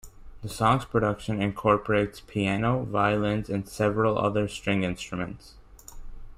The song's production incorporates piano, violins and several other string instruments.